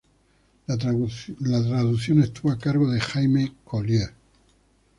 La traducción estuvo a cargo de Jaime Collyer.